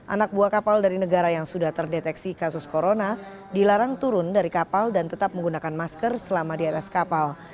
anak buah kapal dari negara yang sudah terdeteksi kasus corona dilarang turun dari kapal dan tetap menggunakan masker selama di atas kapal